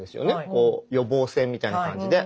こう予防線みたいな感じで。